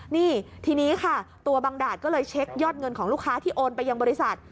นี่ทีนี้ค่ะตัวบังดาดก็เลยเช็คยอดเงินของลูกค้าที่โอนไปยังบริษัท